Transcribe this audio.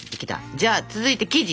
じゃあ続いて生地。